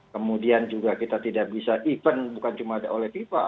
kemudian juga kita tidak bisa event bukan cuma oleh fifa